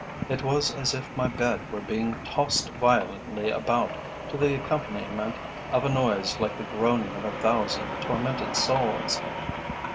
It was as if my bed were being tossed violently about, to the accompaniment of a noise like the groaning of a thousand tormented souls.